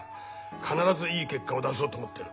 必ずいい結果を出そうと思ってる。